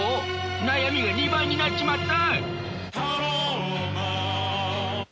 悩みが２倍になっちまった！